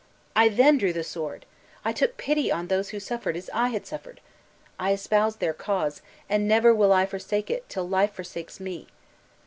I then drew the sword! I took pity on those who suffered as I had suffered! I espoused their cause, and never will I forsake it till life forsakes me.